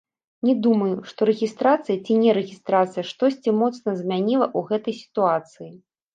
Не думаю, што рэгістрацыя ці нерэгістрацыя штосьці моцна змяніла ў гэтай сітуацыі.